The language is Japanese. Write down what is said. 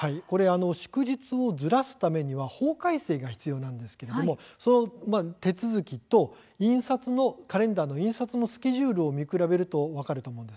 祝日をずらすためには法改正が必要なんですがその手続きとカレンダーの印刷のスケジュールを見比べると分かると思います。